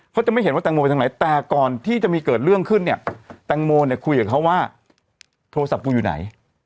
เขาจะไม่เห็นว่าแตงโมไปทางไหนแต่ก่อนที่จะมีเกิดเรื่องขึ้นเนี่ยแตงโมเนี่ยคุยกับเขาว่าโทรศัพท์กูอยู่ไหน